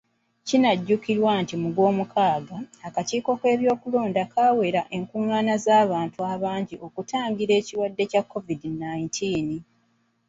Kinajjukirwa nti mu Gwomukaaga, akakiiko k'ebyokulonda kaawera enkung'ana z'abantu abangi okutangira ekirwadde kya COVID nineteen.